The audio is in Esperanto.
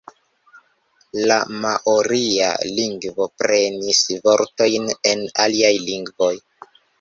La maoria lingvo prenis vortojn el aliaj lingvoj.